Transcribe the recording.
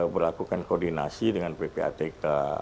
berlakukan koordinasi dengan ppatk